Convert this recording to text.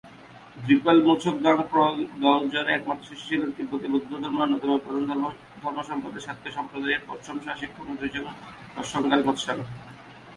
দ্পাল-ম্ছোগ-দাং-পো'ই-র্দো-র্জের একমাত্র শিষ্য ছিলেন তিব্বতী বৌদ্ধধর্মের অন্যতম প্রধান ধর্মসম্প্রদায় সা-স্ক্যা ধর্মসম্প্রদায়ের পঞ্চম সা-স্ক্যা-খ্রি-'দ্জিন গ্রাগ্স-পা-র্গ্যাল-ম্ত্শান।